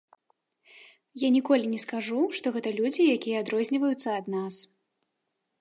Я ніколі не скажу, што гэта людзі, якія адрозніваюцца ад нас.